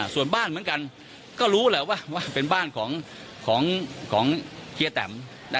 ส่วนบ้านเหมือนกันก็รู้แหละว่าเป็นบ้านของเฮียแตม